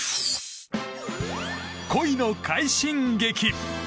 鯉の快進撃。